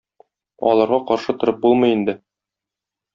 Аларга каршы торып булмый инде